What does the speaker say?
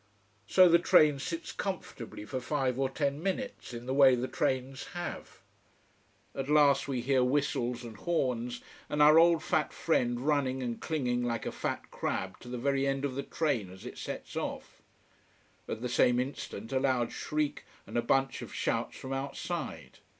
So the train sits comfortably for five or ten minutes, in the way the trains have. At last we hear whistles and horns, and our old fat friend running and clinging like a fat crab to the very end of the train as it sets off. At the same instant a loud shriek and a bunch of shouts from outside.